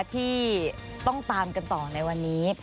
ที่ต้องตามกันต่อในวันนี้